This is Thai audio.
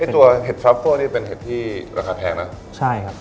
ตัวเห็ดทรัฟเฟอร์นี่เป็นเห็ดที่ราคาแพงนะใช่ครับ